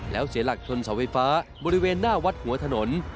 แล้วเสียหลักชนเสาไฟฟ้าบริเวณหน้าวัดหัวถนน